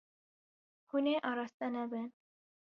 Hûn ê araste nebin.